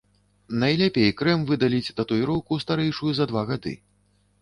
Найлепей крэм выдаліць татуіроўку, старэйшую за два гады.